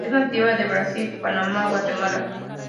Es nativa de Brasil, Panamá, Guatemala.